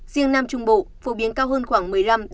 riêng nam trung bộ phổ biến cao hơn khoảng một mươi năm ba mươi